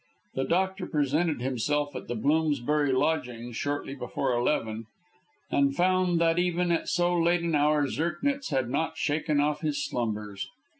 The doctor presented himself at the Bloomsbury lodging shortly before eleven, and found that even at so late an hour Zirknitz had not shaken off his slumbers.